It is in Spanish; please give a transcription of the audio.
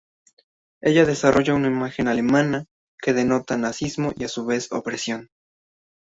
Ella desarrolla una imagen alemana que denota nazismo y, a su vez, opresión.